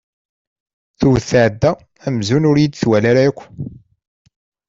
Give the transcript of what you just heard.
Tewwet tɛedda amzun ur iyi-d-twala ara akk.